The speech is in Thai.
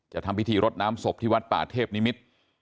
ทำพิธีรดน้ำศพที่วัดป่าเทพนิมิตร